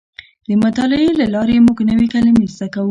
د مطالعې له لارې موږ نوې کلمې زده کوو.